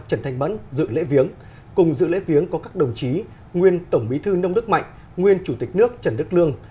trần thanh mẫn dự lễ viếng cùng dự lễ viếng có các đồng chí nguyên tổng bí thư nông đức mạnh nguyên chủ tịch nước trần đức lương